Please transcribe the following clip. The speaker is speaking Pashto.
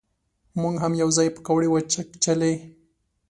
مونږ هم یو ځای پکوړې وچکچلې.